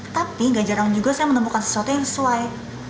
tapi gak jarang juga saya menemukan sesuatu yang sesuai